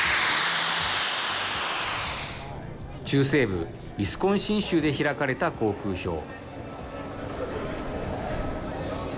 中西部ウィスコンシン州で開かれた航空ショー。